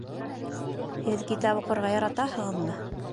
Һеҙ китап уҡырға яратаһығыҙмы?